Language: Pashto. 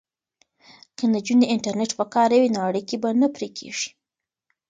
که نجونې انټرنیټ وکاروي نو اړیکې به نه پرې کیږي.